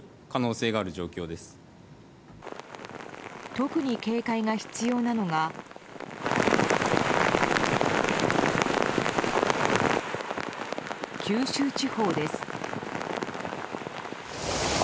特に警戒が必要なのが九州地方です。